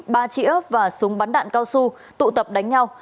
ba trĩ ớp và súng bắn đạn cao su tụ tập đánh nhau